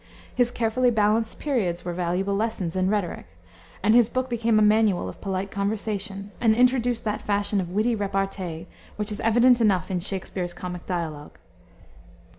His carefully balanced periods were valuable lessons in rhetoric, and his book became a manual of polite conversation and introduced that fashion of witty repartee, which is evident enough in Shakspere's comic dialogue.